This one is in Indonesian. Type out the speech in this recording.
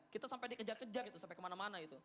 kita sampai dikejar kejar gitu sampai kemana mana gitu